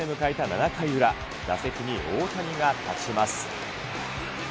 ７回裏、打席に大谷が立ちます。